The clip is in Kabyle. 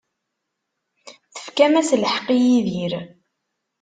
Tefkam-as lḥeqq i Yidir.